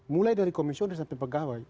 mulai dari komisioner sampai pegawai